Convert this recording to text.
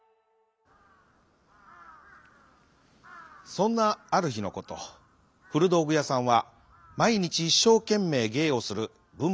そんなあるひのことふるどうぐやさんはまいにちいっしょうけんめいげいをするぶん